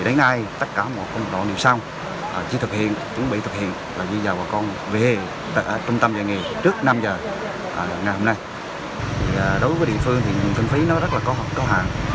đối với địa phương thì nguyện phí nó rất là cao hẳn